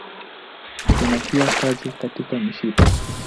Ina pia kazi katika mishipa.